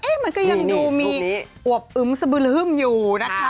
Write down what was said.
เอ๊ะมันก็ยังดูมีโอบอึ้มสบรรภิมอยู่นะคะ